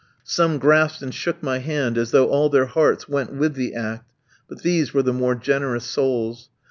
Some grasped and shook my hand as though all their hearts went with the act; but these were the more generous souls.